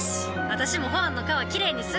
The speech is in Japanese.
私もホアンの川きれいにする！